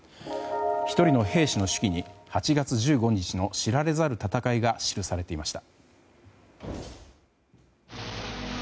１人の兵士の手記に８月１５日の知られざる戦いが記されていました。